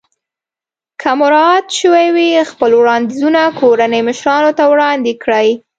که مراعات شوي وي خپل وړاندیزونه کورنۍ مشرانو ته وړاندې کړئ.